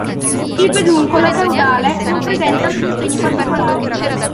Il peduncolo caudale non presenta alcun segno particolare.